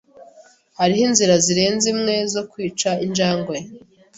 Hariho inzira zirenze imwe zo kwica injangwe.